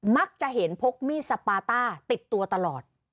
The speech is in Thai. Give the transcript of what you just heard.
มักจะเห็นพกมีดสปาต้าติดตัวตลอด